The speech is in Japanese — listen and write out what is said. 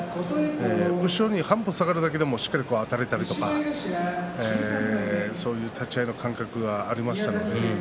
後ろに半歩下がるだけでもしっかりあたれたりそういう立ち合いの感覚がありました。